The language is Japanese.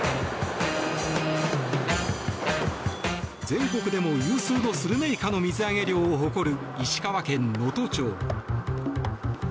全国でも有数のスルメイカの水揚げ量を誇る石川県能登町。